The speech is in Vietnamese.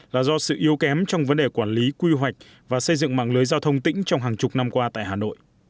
là do sự yếu kém trong vấn đề quản lý quy hoạch và xây dựng mạng lưới giao thông tỉnh trong hàng chục năm qua tại hà nội